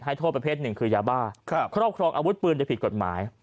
โทษประเภทหนึ่งคือยาบ้าครอบครองอาวุธปืนโดยผิดกฎหมาย